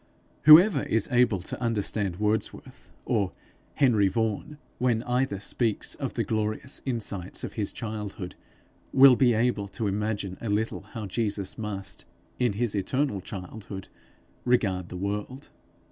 Whoever is able to understand Wordsworth, or Henry Vaughan, when either speaks of the glorious insights of his childhood, will be able to imagine a little how Jesus must, in his eternal childhood, regard the world.